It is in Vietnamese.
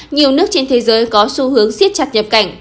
nhiều nước trên thế giới có xu hướng siết chặt nhập cảnh